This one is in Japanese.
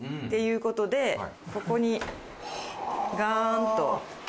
ここにガンと。